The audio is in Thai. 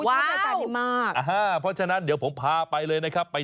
ว้าวถูกชอบรายการดีมากเพราะฉะนั้นเดี๋ยวผมพาไปเลยนะครับไป